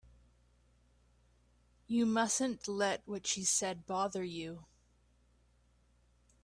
You mustn't let what she said bother you.